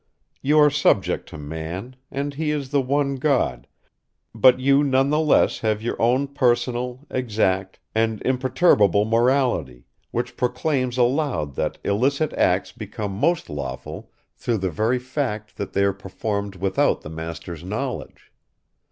You are subject to man, and he is the one god; but you none the less have your own personal, exact and imperturbable morality, which proclaims aloud that illicit acts become most lawful through the very fact that they are performed without the master's knowledge.